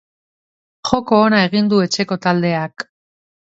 Joko ona egin du etxeko taldeak.